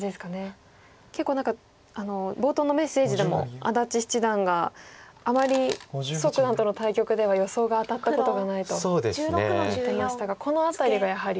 結構何か冒頭のメッセージでも安達七段があまり蘇九段との対局では予想が当たったことがないと言ってましたがこの辺りがやはり。